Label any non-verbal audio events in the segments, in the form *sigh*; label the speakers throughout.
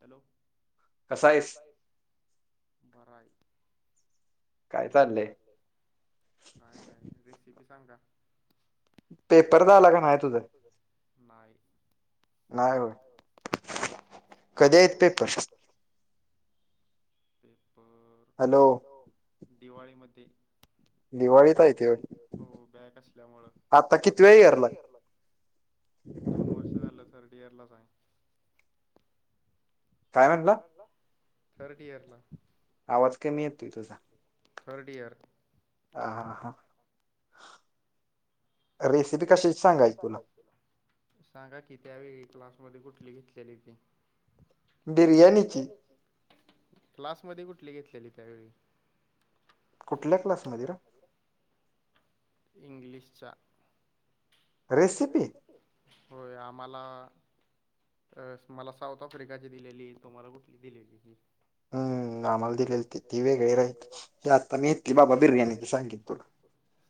Speaker 1: Hello. कसा आहेस? बरा आहे. काय चाललंय? काय नाही रेसिपी सांगा.
Speaker 2: पेपर झाला काय नाही तुझं?
Speaker 1: नाही.
Speaker 2: नाही होय? कधी आहेत पेपर?
Speaker 1: Paper
Speaker 2: hello.
Speaker 1: हॅलो. दिवाळीमध्ये. दिवाळीत आहेत होय? हो बॅक असल्यामूळं. आता कितीव्या इअरला हाय? दोन वर्ष झालं थर्ड इयरलाच हाय. काय म्हणला? थर्ड इयरला. आवाज कमी येतोय, थर्ड इयरला.
Speaker 2: हा, हा, हा. रेसिपी कशाची सांगायची तुला?
Speaker 1: सांगा की त्यावेळी क्लासमध्ये कुठली घेतलेली ती. क्लासमध्ये कुठली घेतलेली त्यावेळी?
Speaker 2: कुठल्या क्लासमधी रं?
Speaker 1: इंग्लिशच्या.
Speaker 2: रेसिपी.
Speaker 1: होय. आम्हाला अं मला साऊथ आफ्रिकाची दिलेली, तुम्हाला कुठली दिलेली ही
Speaker 2: हम्म. आम्हाला दिलेली ती वेगळी राहीली. हे आता मी *unintelligible* बाबा बिर्याणीची सांगीन तुला.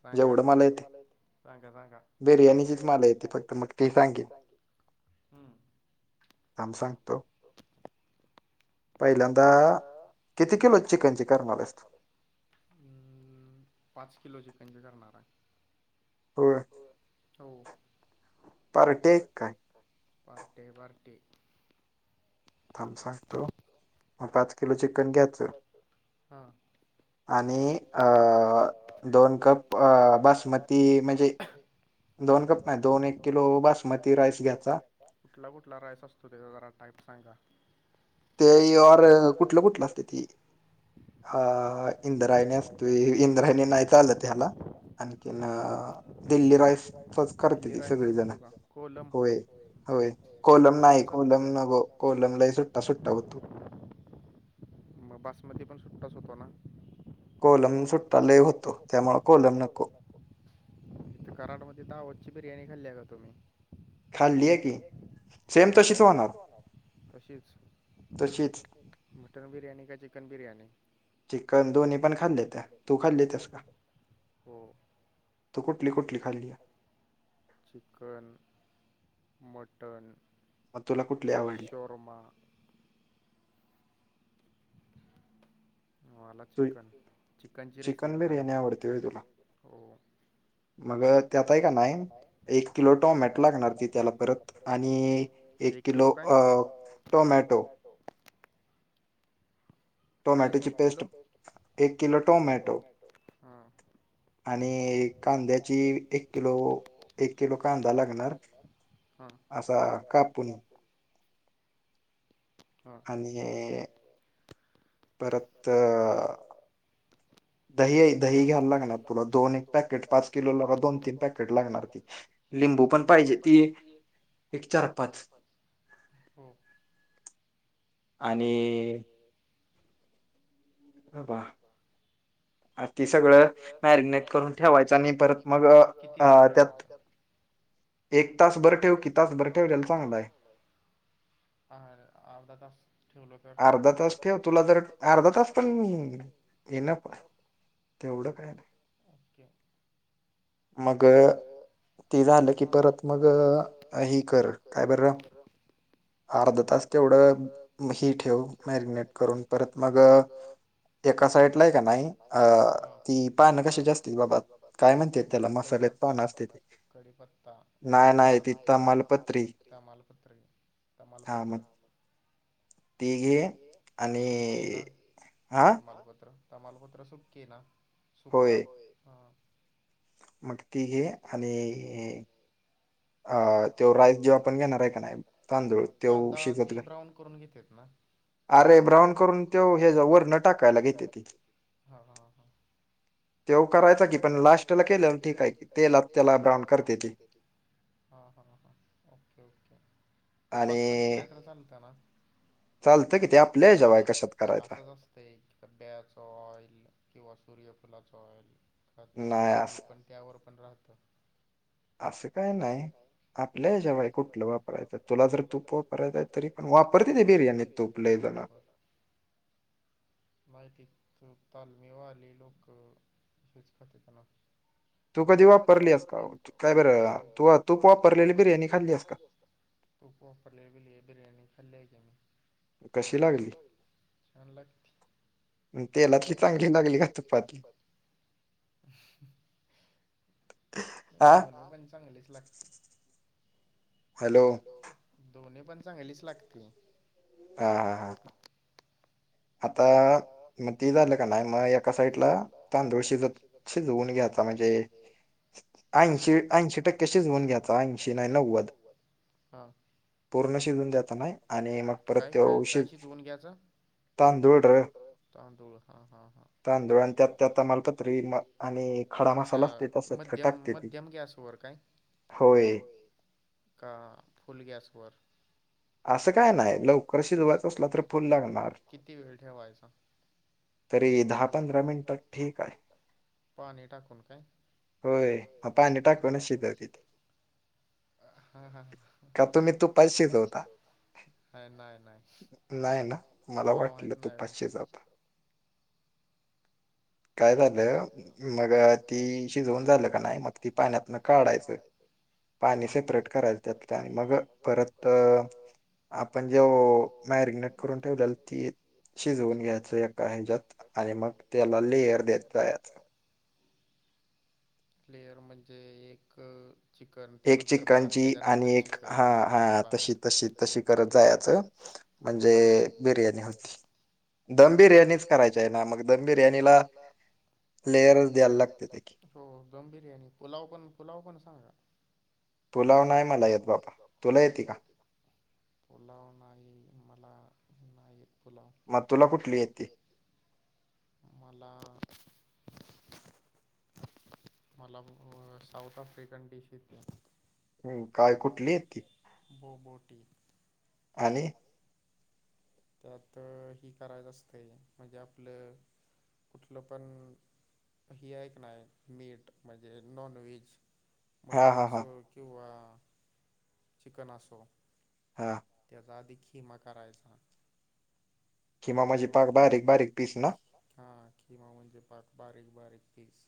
Speaker 1: सांगा. येवढं मला येती. सांगा, सांगा. बिर्याणीचीच मला येती फक्त, मग ते सांगेन. हम्म.
Speaker 2: थांब सांगतो. पाहि आता किती किलो चिकनची करणार आहेस तू?
Speaker 1: अं पाच किलो चिकनची करणार हाय. *unintelligible* हो. पार्टी हाय का काय? पार्टी हाय, पार्टी हाय.
Speaker 2: थांब सांगतो.
Speaker 1: पाच किलो चिकन घ्यायचं. हा. आणि अ दोन कप अ बासमती दोन कप नाही दोन एक किलो बासमती राइस घ्यायचं. कुठला कुठला राइस असतोय तेचा जरा टाईप सांगा.
Speaker 2: ते आरो कुठलं कुठलं असते ती हा इंद्रायणी असतोय, इंद्रायणी नाही चालंत हेला. आणखीन दिल्ली रॉयसचाच करतेती सगळीजण होय. होय. कोलम नाही कोलम नको कोलम लई सुट्टा सुट्टा होतो.
Speaker 1: मग बासमती पण सुट्टाच होतो ना? कोलम सुट्टा लई होतो त्यामुळं कोलम नको. इथं कराडमध्ये दावतची बिर्याणी खाल्ल्या का तुम्ही? खाल्या की सेम तशीच होणार. तशीच.
Speaker 2: तशीच.
Speaker 1: मटन बिर्याणी काय चिकन बिर्याणी?
Speaker 2: चिकन दोन्ही पण खाल्ल्यात्या तू खाल्ल्यात्यास का? त कुठली कुठली खाल्लीया?
Speaker 1: चिकन, मटण, शोरमा. मला चिकन चिकनची रेसिपी सांग, हो. मग त्यात हाय का नाही एक किलो टोमॅटो लागणारी त्याला परत आणि एक किलो काय? अ टोमॅट हो. काय एक किलो? एक किलो टोमॅटो. हा. आणि कांद्याची एक किलो एक किलो कांदा लागणार. हा. असा कापुन, हा.
Speaker 2: आणि परत
Speaker 1: *inaudible*
Speaker 2: दही हाय दही घ्यायला लागणार तुला दोन एक पॅकेट पाच किलोला लेका दोन तीन पॅकेट लागणार ती. लिंबू पण पाहिजेती एक चार, पाच.
Speaker 1: हो.
Speaker 2: आणि वा अ ती सगळ मॅरीगनेट ठेवायचा आणि परत मग त्यात
Speaker 1: एक तास बरं ठेव की तास बरं ठेवलेला चांगल हाय. आ आ अर्धा तास ठेवलं तर? अर्धा तास ठेव तुला जर अर्धा तास पण इनफ हाय.
Speaker 2: तेवढं काय *unintelligible*
Speaker 1: ओके. मग ते झालं की परत मग हे कर काय बर अर्ध तास तेवढं मग हि ठेव मॅरीगनेट करून. परत मग एका साईडला हाय का नाही अ ती पान कशाची असत्यात बाबा. काय म्हणती का कडीपत्ता, कडीपत्ता किंवा ताडपत्री तमालपत्री, तमालपत्र. सुखी हाय ना तमालपत्र? तमालपत्र सुक्की ना सुक्का होय हा.
Speaker 2: मग ती ही आणि ये ये
Speaker 1: *inaudible* कांदा आधी ब्राऊन करून घेतेत ना. अरे ब्राउन करून तेव हे वरन टाकायला घेतीती. हा, हा. तेव करायचा की पण लास्टला केल्यावर ठिक हाय की. तेलात त्याला ब्राऊन करत्याती. हा, हा, हा ओके ओके. तुपात पण केला तर चालत ना? चालतंय कि ते आपल्या हेच्यावर हाय *unintelligible* असंच असतंय. त्या बयाचा ऑइल किंवा सूर्यफुलाचा ऑइल हा ती ती पण त्यावर पण राहतं.
Speaker 2: असं काय नाय. आपल्या हेजावर आहे कुठलं वापरायचं तुला जर तूप वापरायचं आहे तरी पण वापरते ते बिर्याणीत तूप.
Speaker 1: दुवारे म्हणा माहिती ते तालमेवाले लोकं. *unintelligible* तू तूप वापरलेली बिर्याणी खाल्ली आहेस का? तूप वापरलेली बिल बिर्याणी खाल्ली आहे क मी. कशी लागली छान लागती तेलाची चांगली लागली का तुपाची? दोन्ह पण चांगलीच लाग
Speaker 2: हॅलो
Speaker 1: दोन्ही पण चांगलीच लागते.
Speaker 2: हा हा हा.
Speaker 1: आता म ते झालं क नाय म एका साइडला तांदूळ शिजत शिजवून घ्याचा म्हण जे ऐंशी ऐंशी टक्के शिजवून घ्यायचा ऐंशी नाही नव्वद. हा काय काय काय शिजवून घ्यायच्या? तांदूळ हा हा हा. कशा मध्यम मध्यम गॅसवर काय?
Speaker 2: होय
Speaker 1: का फुल गॅसवर? किती वेळ ठेवायचा? तरी दहा पंधरा मिनटात पाणी टाकून काय हा हा. हा हा हा. नाय नाय नाय आम्हाला माहित नाय हो. काय जाते मग ती शिजवून झाले क नाय मग ते पाण्यातनं काढायचा. हा आणि सेपरेट करायच मग परत आपण जो मॅरीनेट करून ठेवलेले ते शिजवून घ्यायचं. आणि मग त्याला लेअर देयायचा आहे. लेयर म्हणजे एक चिकन त्यानंतर भात त्याच्यानंतर चिकन परत भात
Speaker 2: म्हणजे बिर्याणी होती. दम बिर्याणीच करायची आहे ना मग दम बिर्याणीला लेअरच देयाल लागतयत की.
Speaker 1: हो दम बिर्याणी पुलाव पण पुलाव पण सांगा
Speaker 2: पुलाव नाही मला येत बाबा तुला येते का?
Speaker 1: पुलाव नाही मला नाही पुलाव मला मला बो साऊथ अफ्रिकन डिशे येते.
Speaker 2: हम्म काय
Speaker 1: बो बोटी
Speaker 2: आणि
Speaker 1: त्यात ही करायचं असतं म्हणजे आपलं कुठलं पण ही क नाय मीट म्हणजे नॉनव्हेज मटण असो किंवा चिकन असो.
Speaker 2: हा
Speaker 1: त्याचा आधी खीमा करायचा.
Speaker 2: खिमा म्हणजे पाक बारीक बारीक पीस ना?
Speaker 1: हा खिमा म्हणजे पाक बारीक बारीक पीस.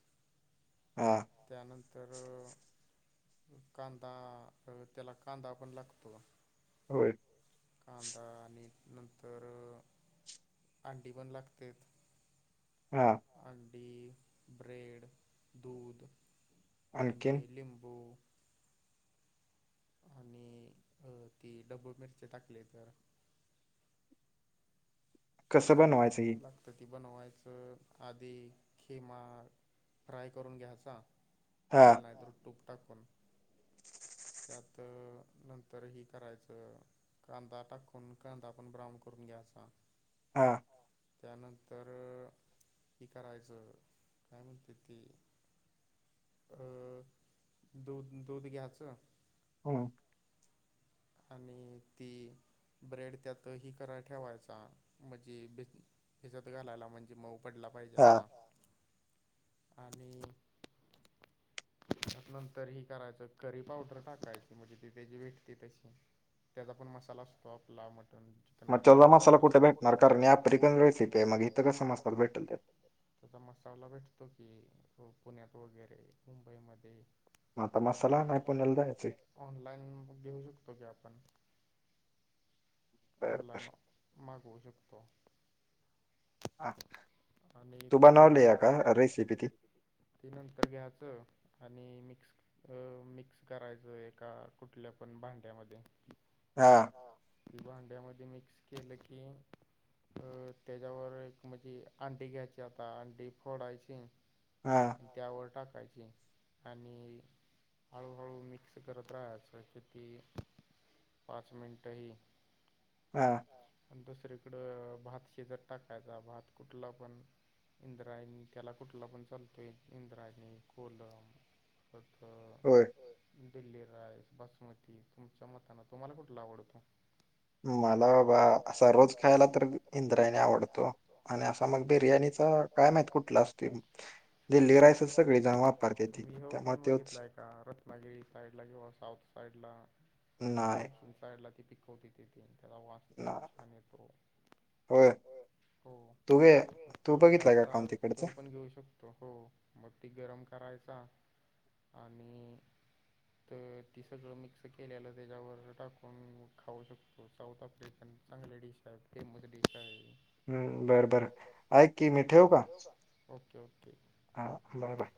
Speaker 2: हां.
Speaker 1: त्यानंतर कांदा त्याला कांदा पण लागतो.
Speaker 2: होय.
Speaker 1: कांदा आणि नंतर अंडी पण लागतात.
Speaker 2: हा.
Speaker 1: अंडी, ब्रेड, दूध. आणि लिंबू आणि अ, ती डब्बू मिरची टाकली तर चला कोण आला. किती बनवायचं, आधी खिमा फ्राय करून घ्यायचा. तेल नाहीतर तूप टाकून. त्यात, नंतर हे करायचं. कांदा टाकून, कांदा पण ब्राऊन करून घ्यायचा.
Speaker 2: हां.
Speaker 1: त्यानंतर ते करायचं, काय म्हणत्यात ते अ दूध, दूध घ्यायचं.
Speaker 2: *inaudible*
Speaker 1: आणि ती ब्रेड त्यात हा करायला ठेवायचा म्हणजे भि भिजत घालायला म्हणजे मऊ पडला पाहिजे असा. आणि त्यात नंतर हे करायचं, करी पावडर टाकायची म्हणजे ती त्याची भेटते तशी, त्याचा पण मसाला असतो आपला मटन मटन मसाला असतो तसा. तेव्हा मसाला कुठे भेटणार कारण मी आता *inaudible* मग इथ कसं मसाला भेटेल. त्याचा मसाला भेटतो की, हो पुण्यात वगैरे, मुंबईमध्ये.
Speaker 2: मता मसाला आणाय पुण्याला जायचंय.
Speaker 1: ऑनलाईन मग घेऊ शकतो की आपण, ऑनलाईन मागवू शकतो. आणि ती नंतर ते नंतर घ्यायचं आणि मिक्स अ, मिक्स करायचं एका कुठल्या पण भांड्यामध्ये.
Speaker 2: हा.
Speaker 1: ते भांड्यामध्ये मिक्स केलं की, अ त्याच्यावर एक म्हणजे, अंडी घ्यायची आता, अंडी फोडायची.
Speaker 2: हां.
Speaker 1: त्यावर टाकायची आणि हळूहळू मिक्स करत राहायचं किती? पाच मिनटही
Speaker 2: हां.
Speaker 1: हा अन दुसरीकडं भात शिजत टाकायचा भात कुठला पण इंद्रायनी त्याला कुठला पण चाल ते इंद्रायणी, कोलम तत दिल्ली रायस बासमती तुमच्या मतान तुम्हाला कुठला आवडतोय? मला बाबा अस रोज खायला आमचा इंद्रायणी आवडत्या. *unintelligible* बिर्याणीचा काय माहित कुटलं तुम्ही हेऊ खाऊन बघितलाय का रत्नागिरी साईडला किंवा साऊथ साईड ला दक्षिण साईड ला किती खोटं येत्यती त्याला वा वास छान येतो. हो तेवघ्याचा त्यो पण घेऊ शक हो मग ती गरम करायचा आणि तर ती सगळं मिक्स केलेल त्याच्यावर टाकून खाऊ शक तो साऊथ फ्रिकन चांगली डिश आहे फेमस डिश आहे. Okay okay.
Speaker 2: *unintelligible*